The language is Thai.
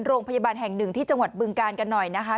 โรงพยาบาลแห่งหนึ่งที่จังหวัดบึงกาลกันหน่อยนะคะ